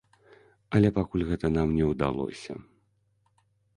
Але пакуль гэта нам не ўдалося.